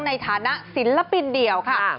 ในฐานะศิลปินเดี่ยวค่ะ